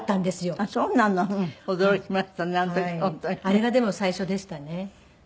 あれがでも最初でしたね。